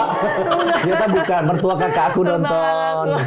ternyata bukan mertua kakakku nonton